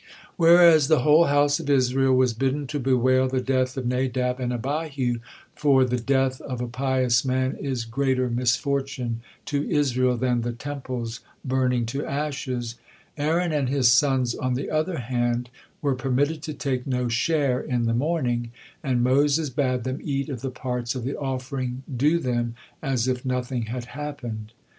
Whereas the whole house of Israel was bidden to bewail the death of Nadab and Abihu, for "the death of a pious man is greater misfortune to Israel than the Temple's burning to ashes," Aaron and his sons, on the other hand, were permitted to take no share in the mourning, and Moses bade them eat of the parts of the offering due them, as if nothing had happened.